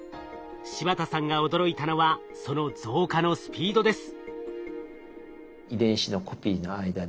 柴田さんが驚いたのはその増加のスピードです。